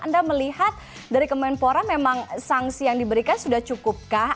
anda melihat dari kemenpora memang sanksi yang diberikan sudah cukupkah